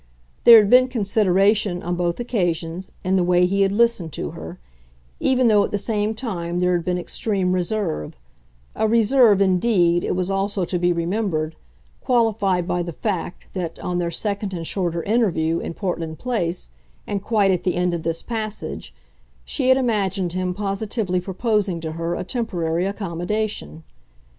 There had been consideration, on both occasions, in the way he had listened to her even though at the same time there had been extreme reserve; a reserve indeed, it was also to be remembered, qualified by the fact that, on their second and shorter interview, in Portland Place, and quite at the end of this passage, she had imagined him positively proposing to her a temporary accommodation.